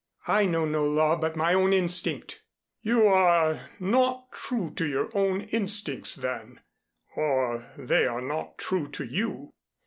"I know no law but my own instinct." "You are not true to your own instincts then, or they are not true to you."